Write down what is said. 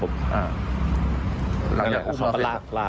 ลากลากลาก